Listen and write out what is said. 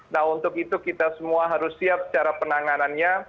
nah untuk itu kita semua harus siap secara penanganannya